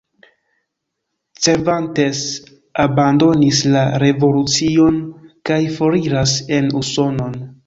Cervantes abandonis la revolucion kaj foriras en Usonon.